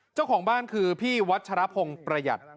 เจ้าของบ้านคือพี่วัชรพงศ์ประหยัด